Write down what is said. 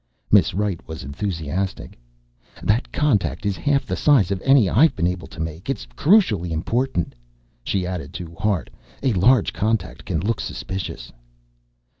Miss Wright was enthusiastic. "That contact is half the size of any I've been able to make. It's crucially important," she added to Hart. "A large contact can look suspicious."